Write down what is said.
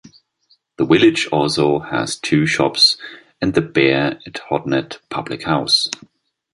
The village also has two shops and the "Bear at Hodnet" public house.